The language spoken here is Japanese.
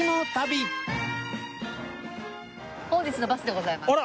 本日のバスでございます。